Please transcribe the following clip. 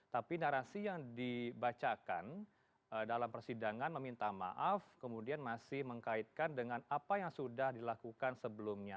tapi narasi yang dibacakan dalam persidangan meminta maaf kemudian masih mengkaitkan dengan apa yang sudah dilakukan sebelumnya